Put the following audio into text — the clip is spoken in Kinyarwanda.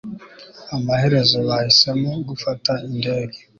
amaherezo, bahisemo gufata indege